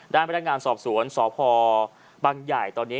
ด้านแวดได้งานสอบสวนสอบภอพ์เป็นต่อปันใหญ่ตอนนี้